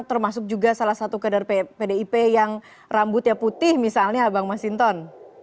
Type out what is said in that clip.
termasuk juga salah satu kader pdip yang rambutnya putih misalnya bang masinton